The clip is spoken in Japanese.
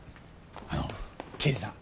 あの刑事さん。